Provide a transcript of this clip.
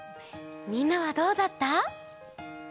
みんなはどうだった？